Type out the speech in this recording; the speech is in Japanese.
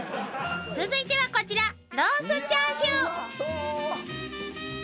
［続いてはこちら］